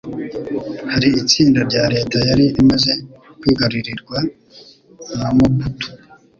hari itsinda rya Leta yari imaze kwigarurirwa na Mobutu